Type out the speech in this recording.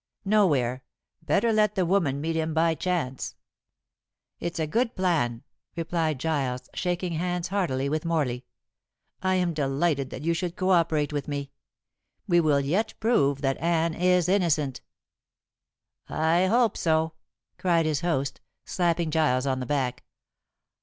No, Ware; better let the woman meet him by chance." "It's a good plan," replied Giles, shaking hands heartily with Morley. "I am delighted that you should co operate with me. We will yet prove that Anne is innocent." "I hope so," cried his host, slapping Giles on the back.